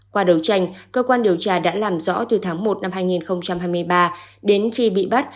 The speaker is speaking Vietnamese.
qua đấu tranh cơ quan điều tra đã làm rõ từ tháng một năm hai nghìn hai mươi ba đến khi bị bắt